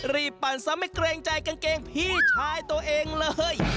ปั่นซ้ำไม่เกรงใจกางเกงพี่ชายตัวเองเลย